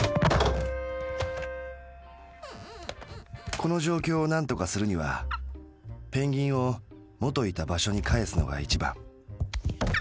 この状況をなんとかするにはペンギンをもといた場所にかえすのが一番。